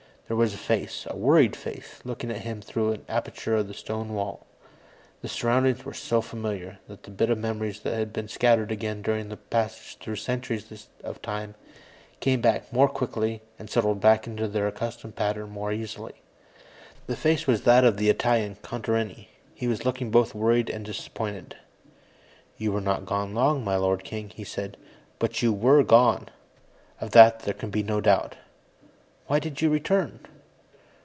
There was a face, a worried face, looking at him through an aperture in the stone wall. The surroundings were so familiar, that the bits of memory which had been scattered again during the passage through centuries of time came back more quickly and settled back into their accustomed pattern more easily. The face was that of the Italian, Contarini. He was looking both worried and disappointed. "You were not gone long, my lord king," he said. "But you were gone. Of that there can be no doubt. Why did you return?"